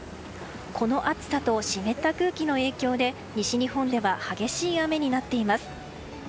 この暑さと湿った空気の影響で西日本では激しい雨になっています。